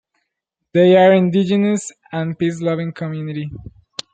They are an indigenous and peace-loving community.